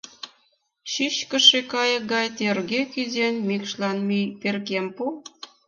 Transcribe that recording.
Чӱчкышӧ кайык гай тӧрге кӱзен мӱкшлан мӱй перкем пу.